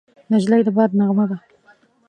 نجلۍ د باد نغمه ده.